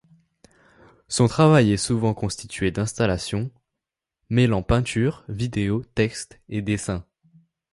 Son travail est souvent constitué d’installations, mêlant peintures, vidéos, textes et dessins.